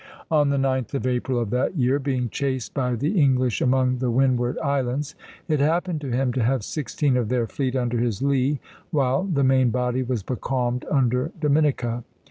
On the 9th of April of that year, being chased by the English among the Windward Islands, it happened to him to have sixteen of their fleet under his lee while the main body was becalmed under Dominica.